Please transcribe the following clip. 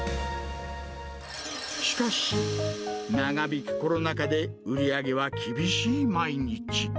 しかし、長引くコロナ禍で売り上げは厳しい毎日。